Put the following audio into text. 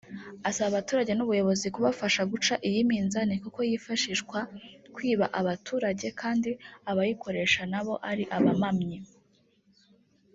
Asaba abaturage n’ubuyobozi kubafasha guca iyi minzani kuko yifashishwa kwiba abaturage kandi abayikoresha nabo ari abamamyi